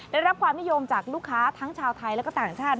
ได้รับความนิยมจากลูกค้าทั้งชาวไทยและก็ต่างชาติ